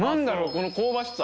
この香ばしさ。